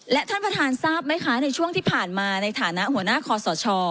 และท่านประธานทราบไหมคะในช่วงที่ผ่านมาในฐานะหัวหน้าคอสช